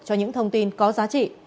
cho những thông tin có giá trị